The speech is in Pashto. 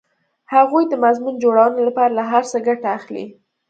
هغوی د مضمون جوړونې لپاره له هر څه ګټه اخلي